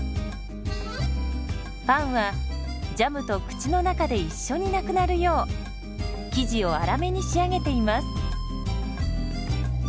パンはジャムと口の中で一緒になくなるよう生地を粗めに仕上げています。